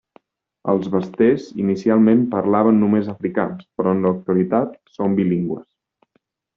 Els basters inicialment parlaven només afrikaans, però en l'actualitat són bilingües.